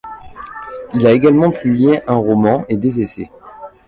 Il a également publié un roman et des essais.